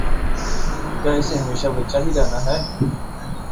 کیا اسے ہمیشہ بچہ ہی رہنا ہے؟